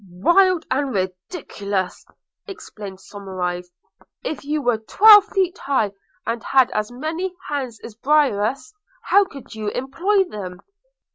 'Wild and ridiculous!' exclaimed Somerive. 'If you were twelve feet high, and had as many hands as Briareus, how could you employ them?